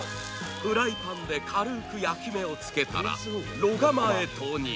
フライパンで軽く焼き目をつけたら炉釜へ投入